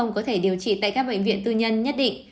ông có thể điều trị tại các bệnh viện tư nhân nhất định